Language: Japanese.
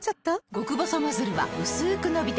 極細ノズルはうすく伸びて